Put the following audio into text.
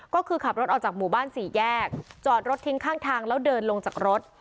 ก็คือขับรถออกจากหมู่บ้านสี่แยกจอดรถทิ้งข้างทางแล้วเดินลงจากรถ